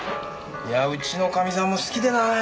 いやあうちのかみさんも好きでなあ。